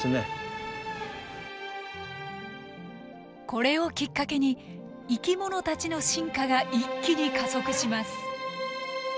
これをきっかけに生き物たちの進化が一気に加速します。